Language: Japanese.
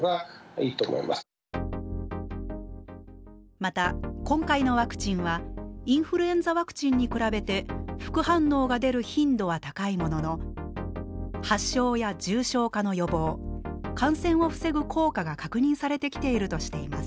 また今回のワクチンはインフルエンザワクチンに比べて副反応が出る頻度は高いもののが確認されてきているとしています。